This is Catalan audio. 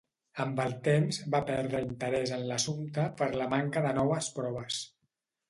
Amb el temps, va perdre interès en l'assumpte per la manca de noves proves.